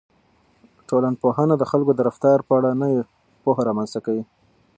ټولنپوهنه د خلکو د رفتار په اړه نوې پوهه رامنځته کوي.